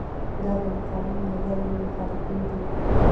دا د مقاومت د نظریې مخالفین دي.